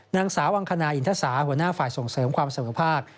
นางสาววังคณาอินทสาหัวหน้าฝ่ายส่งเสริมความเสมอภาค